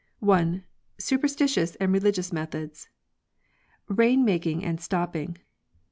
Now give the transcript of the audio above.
I. Superstirious AND ReEuicious Meruops. RAIN MAKING AND STOPPING.